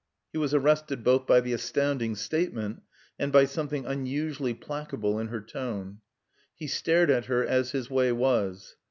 He was arrested both by the astounding statement and by something unusually placable in her tone. He stared at her as his way was.